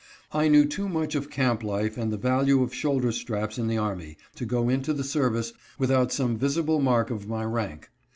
I knew too much of camp life and the value of shoulder straps in the army to go into the service without some visible mark of my rank.